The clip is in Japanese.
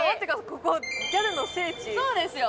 ここギャルの聖地そうですよ